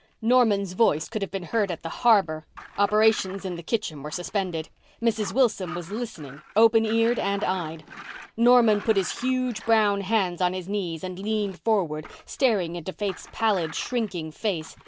Norman's voice could have been heard at the harbour. Operations in the kitchen were suspended. Mrs. Wilson was listening open eared and eyed. Norman put his huge brown hands on his knees and leaned forward, staring into Faith's pallid, shrinking face.